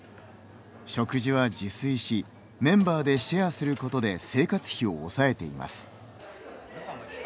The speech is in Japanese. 食事は自炊しメンバーでシェアすることで生活費を抑えています。